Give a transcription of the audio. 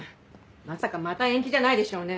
まさかまた延期じゃないでしょうね？